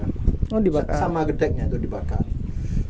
sama gedeknya itu dibakar